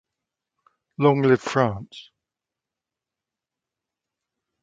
Long live France!